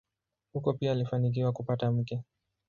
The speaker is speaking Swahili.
Huko pia alifanikiwa kupata mke.